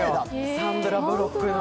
サンドラ・ブロックの。